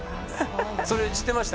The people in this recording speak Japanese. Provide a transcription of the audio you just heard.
それ知ってました？